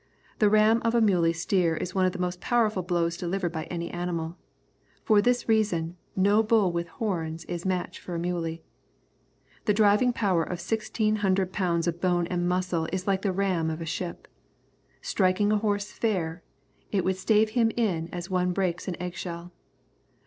The ram of a muley steer is one of the most powerful blows delivered by any animal. For this reason, no bull with horns is a match for a muley. The driving power of sixteen hundred pounds of bone and muscle is like the ram of a ship. Striking a horse fair, it would stave him in as one breaks an egg shell.